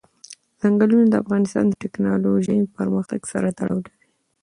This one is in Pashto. ځنګلونه د افغانستان د تکنالوژۍ پرمختګ سره تړاو لري.